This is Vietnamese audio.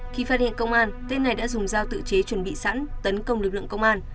khi phát hiện công an tên này đã dùng dao tự chế chuẩn bị sẵn tấn công lực lượng công an